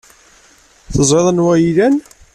Teẓriḍ anwa ay iyi-ilan.